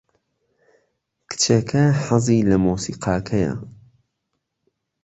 کچەکە حەزی لە مۆسیقاکەیە.